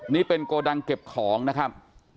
นี่เป็นโกดังเก็บของนะครับ